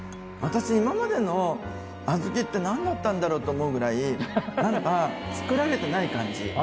私、今までの小豆ってなんだったんだろうと思うぐらい、なんか、作られてない感じ。